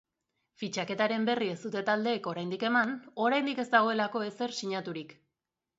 Fitxaketaren berri ez dute taldeek oraindik eman oraindik ez dagoelako ezer sinaturik.